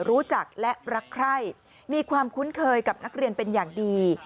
รู้จักและรักใคร่มีความคุ้นเคยกับนักเรียนเป็นอย่างดี